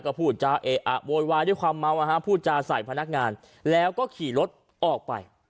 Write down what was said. ก็พูดจาเอะอะโวยวายด้วยความเมาพูดจาใส่พนักงานแล้วก็ขี่รถออกไป